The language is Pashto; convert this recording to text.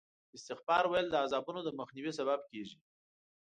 استغفار ویل د عذابونو د مخنیوي سبب کېږي.